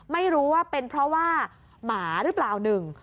ไม่รู้ว่าเป็นเพราะว่าหมาหรือเปล่าหนึ่ง